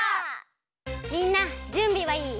みんなじゅんびはいい？